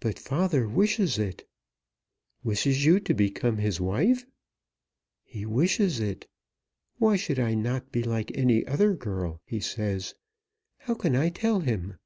"But father wishes it." "Wishes you to become his wife?" "He wishes it. Why should I not be like any other girl, he says. How can I tell him?